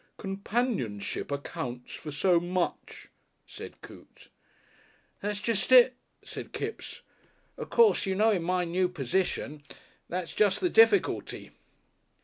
"Companionship accounts for so much," said Coote. "That's jest it," said Kipps. "Of course, you know, in my new position . That's just the difficulty."